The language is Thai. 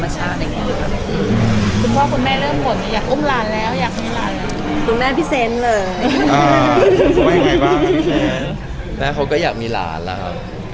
อุ้มหลานที่บ้านยังไม่มี